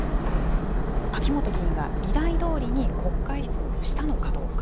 秋本議員が依頼どおりに国会質問をしたのかどうか。